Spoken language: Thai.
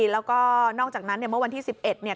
แล้วก็นอกจากนั้นเมื่อวันที่๑๑